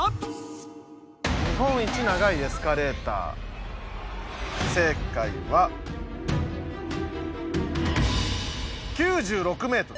「日本一長いエスカレーター」正解は９６メートル。